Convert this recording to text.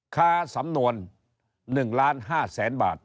ค้าสำนวน๑ล้าน๕แสนบาท